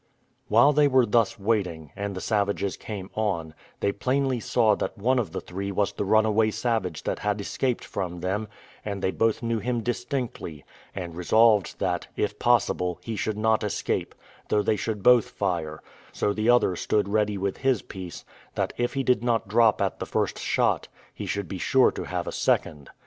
While they were thus waiting, and the savages came on, they plainly saw that one of the three was the runaway savage that had escaped from them; and they both knew him distinctly, and resolved that, if possible, he should not escape, though they should both fire; so the other stood ready with his piece, that if he did not drop at the first shot, he should be sure to have a second.